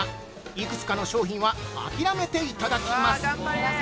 幾つかの商品は諦めていただきます。